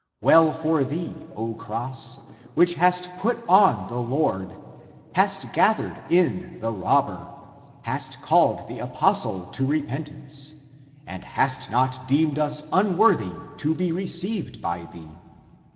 Well for thee, O cross, which hast put on the Lord, hast gathered in the robber, hast called the apostle to repentance, and hast not deemed us unworthy to be received by thee